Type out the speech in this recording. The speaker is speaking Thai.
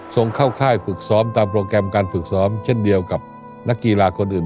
ส่งเข้าค่ายฝึกซ้อมตามโปรแกรมการฝึกซ้อมเช่นเดียวกับนักกีฬาคนอื่น